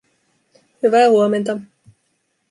Hyvää huomenta